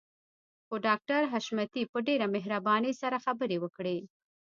خو ډاکټر حشمتي په ډېره مهربانۍ سره خبرې وکړې.